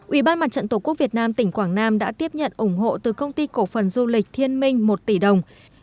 ubnd tqvn tỉnh quảng nam đã tiếp nhận ủng hộ từ công ty cổ phần du lịch thiên minh một tỷ đồng